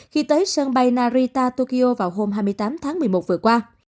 khi tới sân bay narita tokyo vào hôm hai mươi tám tháng một mươi một vừa qua